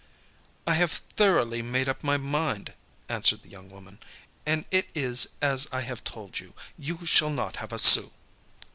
"I have thoroughly made up my mind," answered the young woman, "and it is as I have told you. You shall not have a sou."